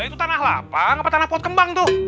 itu tanah lapang apa tanah pot kembang tuh